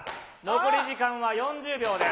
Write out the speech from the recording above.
残り時間は４０秒です。